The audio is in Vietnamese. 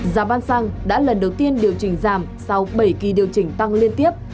giảm bán xăng đã lần đầu tiên điều chỉnh giảm sau bảy kỳ điều chỉnh tăng liên tiếp